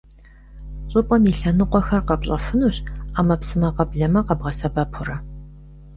ЩӀыпӀэм и лъэныкъуэхэр къэпщӀэфынущ Ӏэмэпсымэ — къэблэмэ къэбгъэсэбэпурэ.